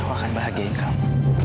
aku akan bahagiakan kamu